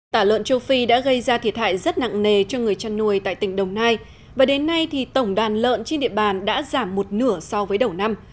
tả lợn châu phi đã gây ra thiệt hại rất nặng nề cho người chăn nuôi tại tỉnh đồng nai và đến nay thì tổng đàn lợn trên địa bàn đã giảm một nửa so với đầu năm